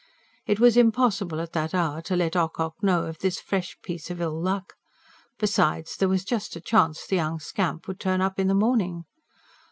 It was impossible at that hour to let Ocock know of this fresh piece of ill luck. Besides, there was just a chance the young scamp would turn up in the morning.